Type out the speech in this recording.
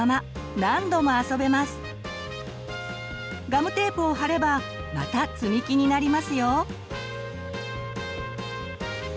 ガムテープを貼ればまたつみきになりますよ。